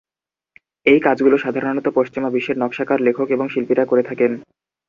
এই কাজগুলো সাধারণত পশ্চিমা বিশ্বের নকশাকার, লেখক ও শিল্পীরা করে থাকেন।